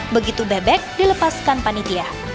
begitu bebek dilepaskan panitia